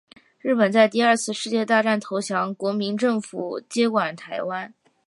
日本在第二次世界大战投降，国民政府接管台湾。